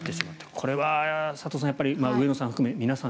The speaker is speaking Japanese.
これは佐藤さん上野さん含め、皆さん